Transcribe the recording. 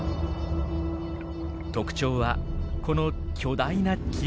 特徴はこの巨大な牙。